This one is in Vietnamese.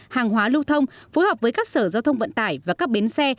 hàng hóa lưu thông phối hợp với các sở giao thông vận tải và các bến xe